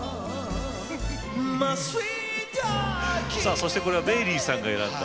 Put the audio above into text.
そしてこれはメイリーさんが選んだ。